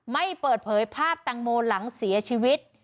ไม่เปิดเผยภาพแตงโมหลังเสียชีวิต